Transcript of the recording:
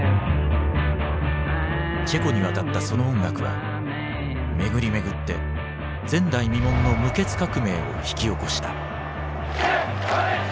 チェコに渡ったその音楽は巡り巡って前代未聞の無血革命を引き起こした。